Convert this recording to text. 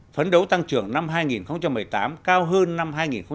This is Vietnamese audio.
phấn đấu tăng trưởng năm hai nghìn một mươi tám cao hơn năm hai nghìn một mươi tám